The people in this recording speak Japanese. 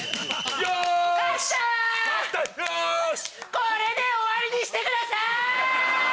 これで終わりにしてください‼